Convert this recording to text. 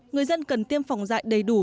người dân cần tiêm phòng dại đầy đủ